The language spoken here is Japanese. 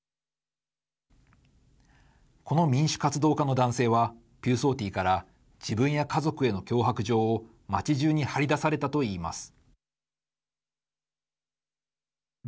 この民主活動家の男性はピューソーティーから自分や家族への脅迫状を町じゅうに張り出されたといいます。